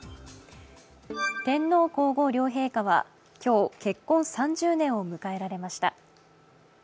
天皇皇后両陛下は今日、結婚３０年を迎えられました。